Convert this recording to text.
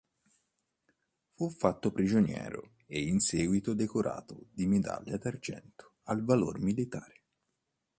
Fu fatto prigioniero e in seguito decorato di medaglia d'argento al valor militare.